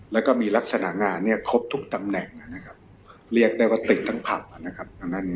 แล้วก็มีลักษณะงานเนี่ยครบทุกตำแหน่งนะครับเรียกได้ว่าติดทั้งผับนะครับ